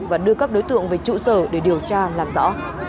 và đưa các đối tượng về trụ sở để điều tra làm rõ